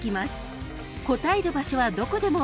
［答える場所はどこでもＯＫ］